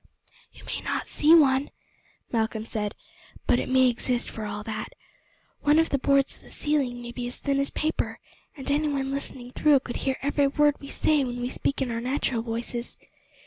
"You may not see one," Malcolm said, "but it may exist for all that. One of the boards of the ceiling may be as thin as paper, and anyone listening through could hear every word we say when we speak in our natural voices.